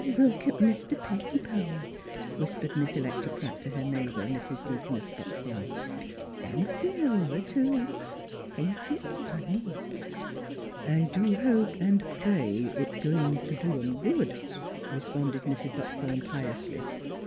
"Do look at Mis Jer Pettibone f" whispered Miss Electa Pratt to her neighbor, Mrs. Dea coness Buckthorn. " An' Philura, too. Ain't it funny?" " I do hope an' pray it's goin' t' do 'em good," responded Mrs. Buckthorn piously.